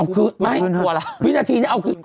พอไม่วินาทีถึงพอมาคืน